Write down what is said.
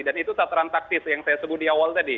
dan itu tataran taktis yang saya sebut di awal tadi